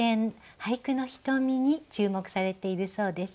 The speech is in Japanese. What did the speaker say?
俳句のひとみに注目されているそうです。